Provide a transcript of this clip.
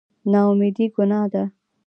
نااميدي ګناه ده